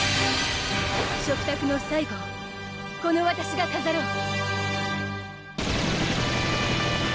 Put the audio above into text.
食卓の最後をこのわたしが飾ろう！